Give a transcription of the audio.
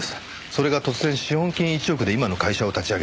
それが突然資本金１億で今の会社を立ち上げた。